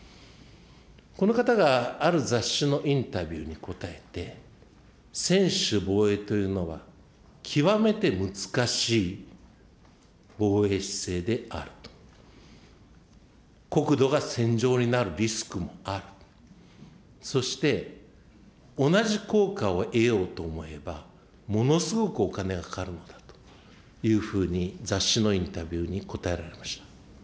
この方がある雑誌のインタビューに答えて、専守防衛というのは、極めて難しい防衛姿勢である、国土が戦場になるリスクもある、そして同じ効果を得ようと思えば、ものすごくお金がかかるのだというふうに、雑誌のインタビューに答えられました。